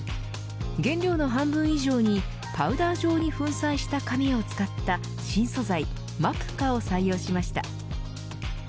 原料の半分以上にパウダー状に粉砕した紙を使った新素材ＭＡＰＫＡを採用しました。